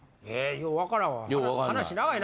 よう分からんわ。